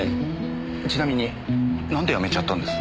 ちなみになんでやめちゃったんです？